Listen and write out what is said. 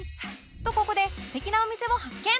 とここで素敵なお店を発見！